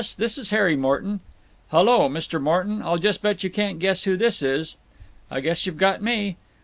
This is Harry Morton." "Hullo, Mr. Morton! I'll just bet you can't guess who this is." "I guess you've got me."